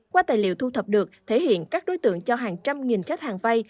qua tài liệu thu thập được thể hiện các đối tượng cho hàng trăm nghìn khách hàng vay